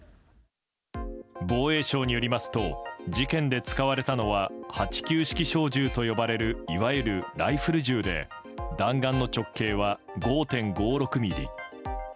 防衛省によりますと事件で使われたのは８９式小銃と呼ばれるいわゆるライフル銃で弾丸の直径は５．５６ｍｍ。